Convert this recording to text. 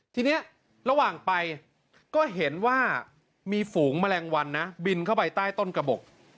ทีนี้ระหว่างไปก็เห็นว่ามีฝูงแมลงวันนะบินเข้าไปใต้ต้นกระบบ